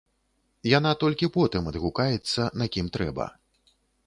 Яна толькі потым адгукаецца на кім трэба.